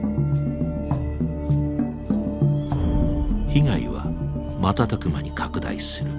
被害は瞬く間に拡大する。